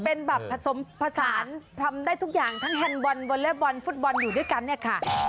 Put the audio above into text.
เป็นแบบผสมผสานทำได้ทุกอย่างทั้งแฮนดบอลวอเล็กบอลฟุตบอลอยู่ด้วยกันเนี่ยค่ะ